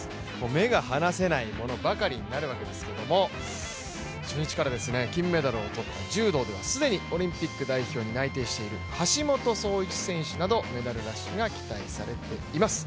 目が離せないものばかりになるわけですけれども、初日から金メダルを取った柔道では既にオリンピック代表に内定されている橋本壮市選手などメダルラッシュが期待されています。